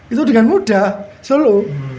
itu dengan mudah solo